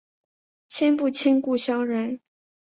亲不亲故乡人